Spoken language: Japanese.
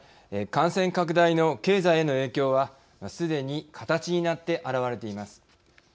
感染拡大の経済への影響はすでに形になって表れています。